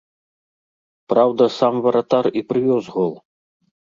Праўда, сам варатар і прывёз гол.